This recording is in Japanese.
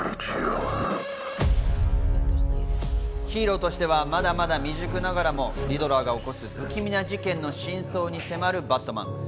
ヒーローとしてはまだまだ未熟ながらリドラーが起こす不気味な事件の真相に迫るバットマン。